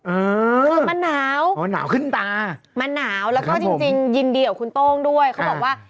เออคือมันหนาวมันหนาวแล้วก็จริงยินดีกับคุณโต้งด้วยเขาบอกว่า